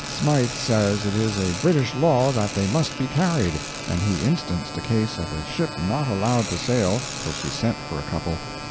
Smythe says it is a British law that they must be carried; and he instanced a case of a ship not allowed to sail till she sent for a couple.